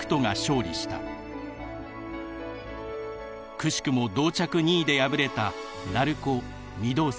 くしくも同着２位で敗れた鳴子御堂筋。